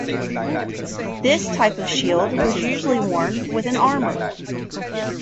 This type of shield was usually worn with an armor.